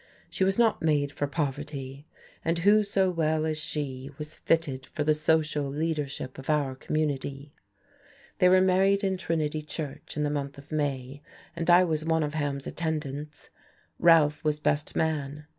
She was not made for poverty and who so well as she was fitted for the social leadership of our community? They were married in Trinity Church in the month of May, and I was one of Ham's attendants. Ralph was "best man."